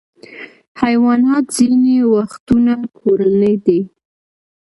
حیوانات ځینې وختونه کورني دي.